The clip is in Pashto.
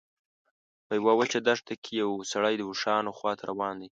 په یوه وچه دښته کې یو سړی د اوښانو خواته روان دی.